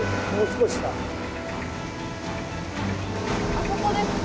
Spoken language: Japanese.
あそこですか？